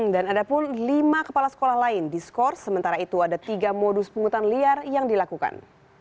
dan ada pun lima kepala sekolah lain di sekolah sementara itu ada tiga modus pungutan liar yang dilakukan